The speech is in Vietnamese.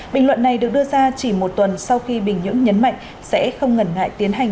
bình luận này được đưa ra chỉ một tuần sau khi bình nhưỡng nhấn mạnh sẽ không ngần ngại tiến hành